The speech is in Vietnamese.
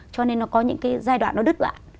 cho nên nó có những cái giai đoạn nó đứt đoạn